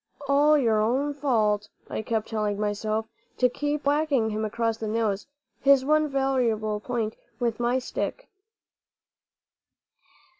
"All your own fault," I kept telling myself, to keep from whacking him across the nose, his one vulnerable point, with my stick.